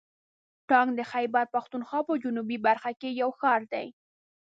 ټانک د خیبر پښتونخوا په جنوبي برخه کې یو ښار دی.